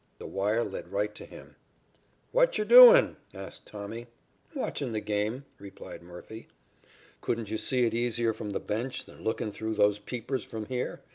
The wire led right to him. "'What cher doin'?' asked Tommy. "'Watchin' the game,' replied Murphy. "'Couldn't you see it easier from the bench than lookin' through those peepers from here?